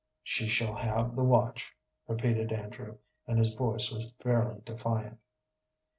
"She shall have the watch," repeated Andrew, and his voice was fairly defiant.